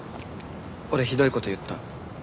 俺ひどい事言った。